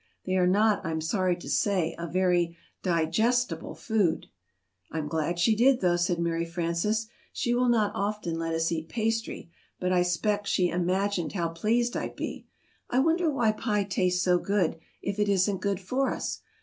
They are not, I'm sorry to say, a very di ges ti ble food." "I'm glad she did, though," said Mary Frances; "she will not often let us eat 'pastry,' but I 'spect she im ag ined how pleased I'd be. I wonder why pie tastes so good, if it isn't good for us?